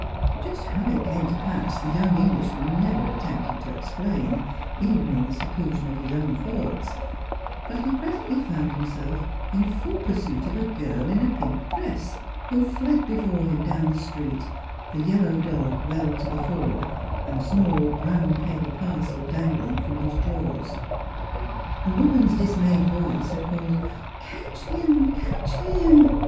Just how it came to pass the young Englishman never attempted to explain even in the seclusion of his own thoughts; but he presently found himself in full pursuit of a girl in a pink dress, who fled before him down the street the yellow dog well to the fore, a small brown paper parcel dangling from his jaws. A woman's dismayed voice had called " Catch him ! Catch him